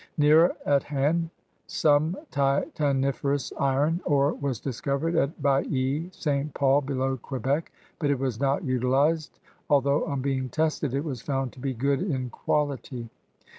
Nearer at hand some titaniferotis iron ore was discovered, at Bale St. Paul below Quebec, but it was not utilized, although on being tested it was found to be good in quality.